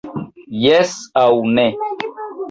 Jes aŭ ne!